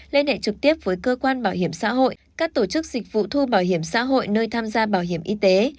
liên hệ trực tiếp với cơ quan bảo hiểm xã hội các tổ chức dịch vụ thu bảo hiểm xã hội nơi tham gia bảo hiểm y tế